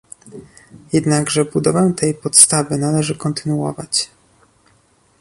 Jednakże budowę tej podstawy należy kontynuować